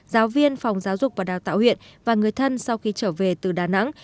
giáo viên phòng giáo dục và đào tạo huyện và người thân sau khi trở về từ đà nẵng